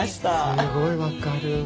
すごいわかる。